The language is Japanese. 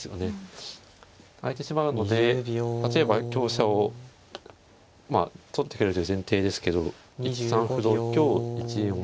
あいてしまうので例えば香車を取ってくれるっていう前提ですけど１三歩同香１四歩